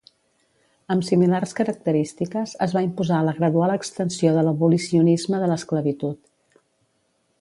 Amb similars característiques es va imposar la gradual extensió de l'abolicionisme de l'esclavitud.